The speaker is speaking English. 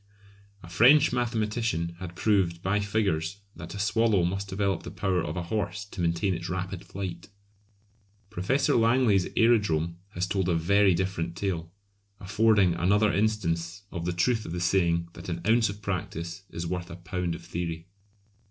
A French mathematician had proved by figures that a swallow must develop the power of a horse to maintain its rapid flight! Professor Langley's aerodrome has told a very different tale, affording another instance of the truth of the saying that an ounce of practice is worth a pound of theory.